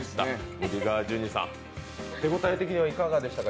ムディ川淳二さん、手応え的にはいかがでしたか？